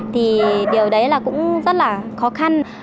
thì điều đấy là cũng rất là khó khăn